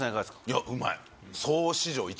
いやうまい。